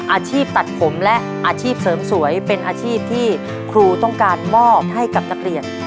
อาชีพตัดผมและอาชีพเสริมสวยเป็นอาชีพที่ครูต้องการมอบให้กับนักเรียน